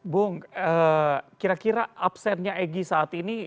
bung kira kira absennya egy saat ini